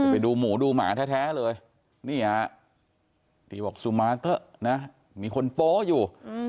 ไปดูหมูดูหมาแท้เลยนี่ฮะที่บอกสุมาเตอร์นะมีคนโป๊ะอยู่